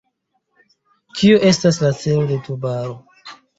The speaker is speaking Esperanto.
Kio estas la celo de Tubaro?